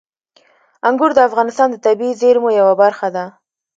انګور د افغانستان د طبیعي زیرمو یوه برخه ده.